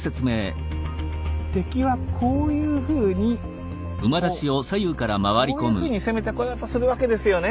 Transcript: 敵はこういうふうにこうこういうふうに攻めてこようとするわけですよね。